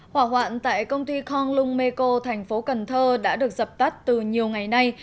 hỏa hoạn tại công ty konglung meiko thành phố cần thơ đã được dập tắt từ nhiều ngày nay